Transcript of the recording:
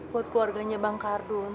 buat keluarganya bang kardun